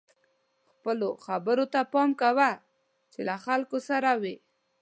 خپلو خبرو ته پام کوه چې له خلکو سره وئ.